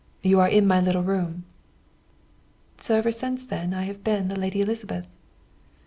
You are in my little room.' "So ever since then I have been the lady Elizabeth."